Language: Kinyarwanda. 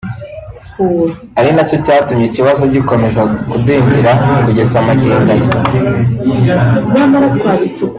ari nacyo cyatumye ikibazo gikomeza kudindira kugeza magingo aya